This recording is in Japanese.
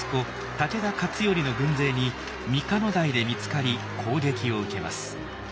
武田勝頼の軍勢に三箇野台で見つかり攻撃を受けます。